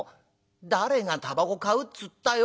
「誰がたばこ買うっつったよ。